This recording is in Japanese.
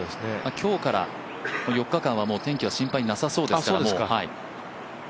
今日から、４日間はもう天気は心配なさそうですから。